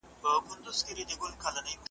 خدای به یې کله عرضونه واوري ,